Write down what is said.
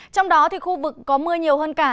trong đó thì khu vực có mưa nhiều hơn cả